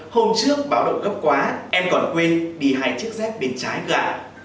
hôm trước báo động gấp quá em còn quên đi hai chiếc dép bên trái gãi